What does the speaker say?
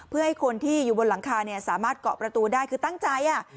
เพื่อให้คนที่อยู่บนหลังคาเนี่ยสามารถเกาะประตูได้คือตั้งใจ